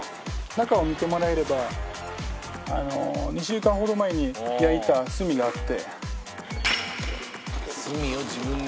中を見てもらえれば２週間ほど前に焼いた炭があって。